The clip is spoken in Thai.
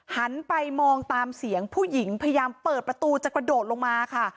หันไปมองตามเสียงผู้หญิงพยายามเปิดประตูจะกระโดดลงมาค่ะ